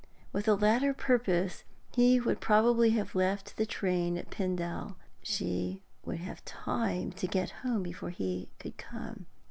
With the latter purpose he would probably have left the train at Pendal. She would have time to get home before he could come.